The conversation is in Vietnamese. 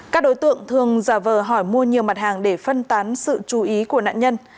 các đối tượng thường giả vờ hỏi mua nhiều mặt hàng để phân tán sự chú ý của nạn nhân